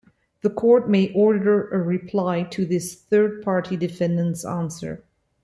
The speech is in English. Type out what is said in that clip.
The court may order a reply to this third-party defendant's answer.